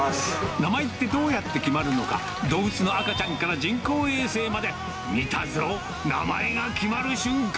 名前ってどうやって決まるのか、動物の赤ちゃんから人工衛星まで、見たぞ、名前が決まる瞬間。